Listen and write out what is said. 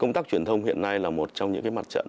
công tác truyền thông hiện nay là một trong những mặt trận